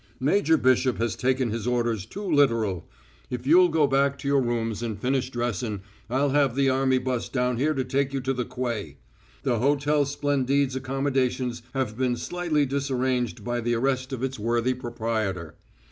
'Major Bishop has taken his orders too literal. If you'll go back to your rooms and finish dressin' I'll have the army bus down here to take you to the quay. The Hotel Splendide's accommodations have been slightly disarranged by the arrest of its worthy proprietor.'